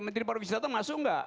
menteri pariwisata masuk nggak